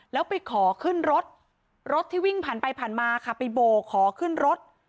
แล้วไปขอขึ้นรถรถที่วิ่งผ่านไปผ่านมาค่ะไปโบกขอขึ้นรถ